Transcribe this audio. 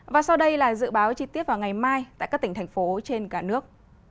và sau đây là dự báo chi tiết vào ngày mai tại các tỉnh thành phố trên cả nước